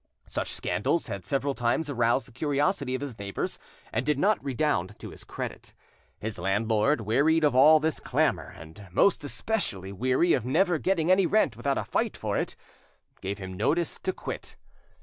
Such scandals had several times aroused the curiosity of his neighbours, and did not redound to his credit. His landlord, wearied of all this clamour, and most especially weary of never getting any rent without a fight for it, gave him notice to quit.